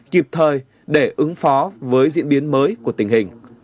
kịp thời để ứng phó với diễn biến mới của tình hình